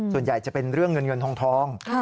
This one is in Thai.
ส่วนใหญ่จะเป็นเรื่องเงินเงินทอง